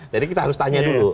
jadi kita harus tanya dulu